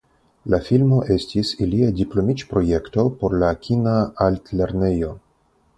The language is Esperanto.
La filmo estis ilia diplomiĝprojekto por la kina altlernejo.